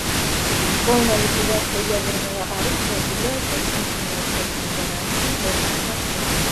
Полная ликвидация ядерного оружия является единственной абсолютной гарантией в этом отношении.